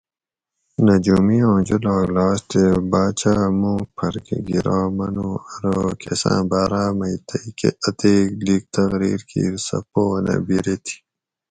"نجومی آں جولاگ لاس تے باچا ھہ موک پھر کہۤ گیرا منو ارو "" کساۤں باۤراۤ مئ تئ اتیک لیگ تقریر کیر سہ پو نہ بیرے تھی"""